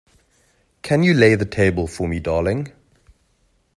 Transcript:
Can you lay the table for me, darling?